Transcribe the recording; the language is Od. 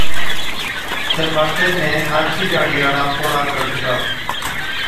تہ باٽي ۾ آڇِي ڏاڙهِي هاڙا پوڙها گِڙجلا،